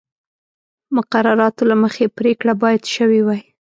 مقرراتو له مخې پرېکړه باید شوې وای